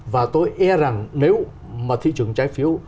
và tôi e rằng nếu mà thị trường trái phiếu